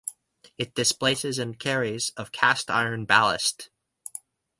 It displaces and carries of cast iron ballast.